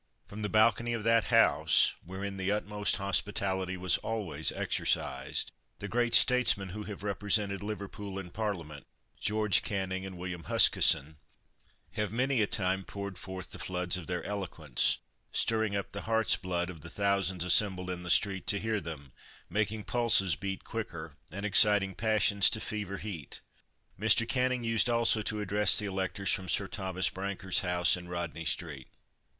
From the balcony of that house, wherein the utmost hospitality was always exercised, the great statesmen who have represented Liverpool in Parliament George Canning and William Huskisson have many a time poured forth the floods of their eloquence, stirring up the heart's blood of the thousands assembled in the street to hear them, making pulses beat quicker, and exciting passions to fever heat. Mr. Canning used also to address the electors from Sir Thomas Brancker's house in Rodney street.